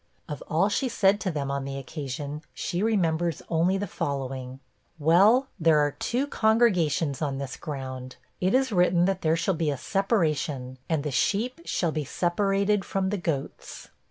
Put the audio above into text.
Of all she said to them on the occasion, she remembers only the following: 'Well, there are two congregations on this ground. It is written that there shall be a separation, and the sheep shall be separated from the goats.